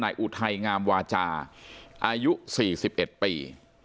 นายอุไทยงามวาจาอายุ๔๑ปี